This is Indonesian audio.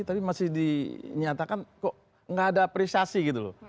tapi masih dinyatakan kok nggak ada apresiasi gitu loh